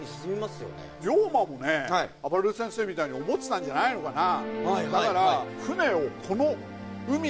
龍馬もねあばれる先生みたいに思ってたんじゃないのかな。